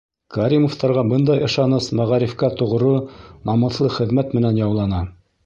Кәримовтарға бындай ышаныс мәғарифҡа тоғро, намыҫлы хеҙмәт менән яулана.